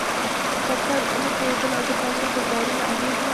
پر تا د عمر تېرېدل او د کلونو ګوزارونه اغېز نه لري.